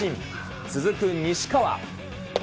続く西川。